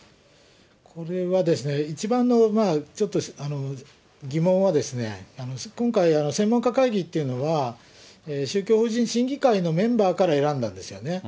これはですね、一番の、ちょっと疑問はですね、今回、専門家会議というのは、宗教法人審議会のメンバーから選んだんですよね。